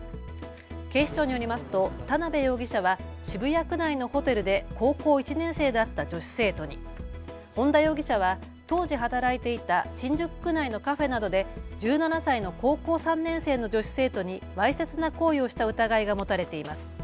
警視庁によりますと田辺容疑者は渋谷区内のホテルで高校１年生だった女子生徒に、本田容疑者は当時働いていた新宿区内のカフェなどで１７歳の高校３年生の女子生徒にわいせつな行為をした疑いが持たれています。